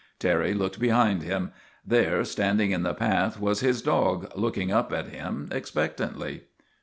Terry looked behind him. There, standing in the path, was his dog, looking up at him expectantly.